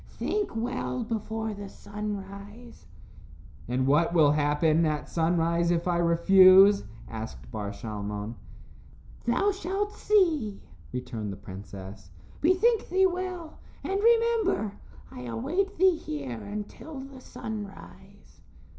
Think well before the sunrise." "And what will happen at sunrise, if I refuse?" asked Bar Shalmon. "Thou shalt see," returned the princess. "Bethink thee well, and remember, I await thee here until the sunrise."